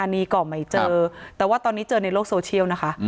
บ้านออกไปเจอแต่ว่าตอนนี้เจอในโลกสโลชีีย์นะคะ